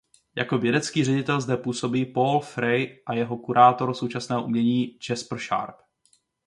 Jako vědecký ředitel zde působí Paul Frey a jako kurátor současného umění Jasper Sharp.